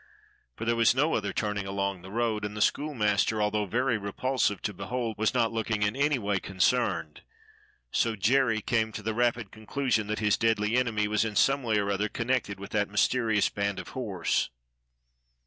For there was no other turning along the road, and the DOGGING THE SCHOOLMASTER 59 schoolmaster, although very repulsive to behold, was not looking in any way concerned; so Jerry came to the rapid conclusion that his deadly enemy was in some way or other connected with that mysterious band of horse.